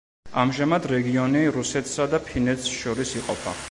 ამჟამად რეგიონი რუსეთსა და ფინეთს შორის იყოფა.